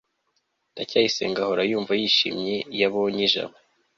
ndacyayisenga ahora yumva yishimye iyo abonye jabo